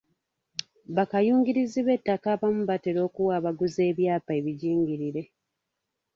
Bakayungirizi b'ettaka abamu batera okuwa abaguzi ebyapa ebijingirire.